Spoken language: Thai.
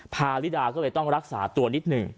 พาริดาก็เลยต้องรักษาตัวนิดหนึ่ง